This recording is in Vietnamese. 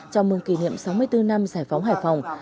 chào mừng kỷ niệm sáu mươi bốn năm giải phóng hải phòng